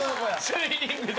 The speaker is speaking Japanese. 『シャイニング』だ。